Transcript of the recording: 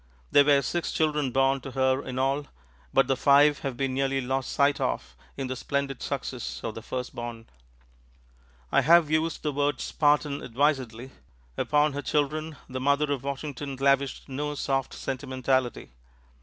There were six children born to her in all, but the five have been nearly lost sight of in the splendid success of the firstborn. I have used the word "Spartan" advisedly. Upon her children, the mother of Washington lavished no soft sentimentality.